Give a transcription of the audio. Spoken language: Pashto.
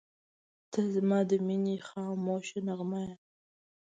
• ته زما د مینې خاموشه نغمه یې.